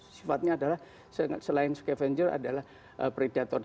sifatnya adalah selain scavenger adalah predator